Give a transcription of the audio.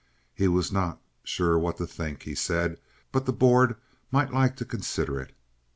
He was not sure what to think, he said, but the board might like to consider it.